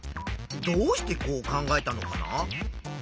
どうしてこう考えたのかな？